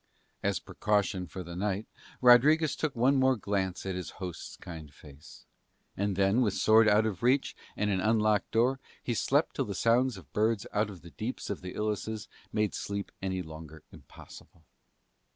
As precaution for the night Rodriguez took one more glance at his host's kind face; and then, with sword out of reach and an unlocked door, he slept till the songs of birds out of the deeps of the ilices made sleep any longer impossible.